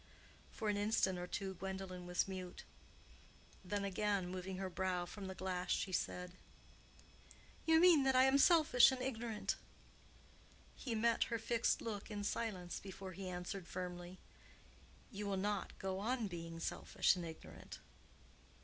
For an instant or two Gwendolen was mute. Then, again moving her brow from the glass, she said, "You mean that I am selfish and ignorant." He met her fixed look in silence before he answered firmly—"You will not go on being selfish and ignorant!"